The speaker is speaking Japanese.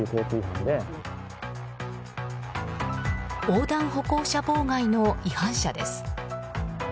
横断歩行者妨害の違反者です。